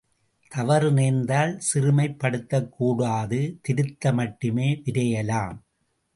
தவறு நேர்ந்தால், சிறுமைப் படுத்தக்கூடாது திருத்த மட்டுமே விரையலாம்.